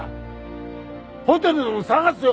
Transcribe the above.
ホテルでも探すよ。